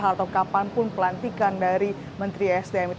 atau kapan pun pelantikan dari menteri esdm